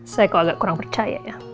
saya kok agak kurang percaya ya